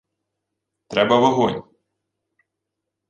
— Треба вогонь.